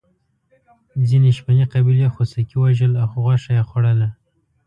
ځینې شپنې قبیلې خوسکي وژل او غوښه یې خوړله.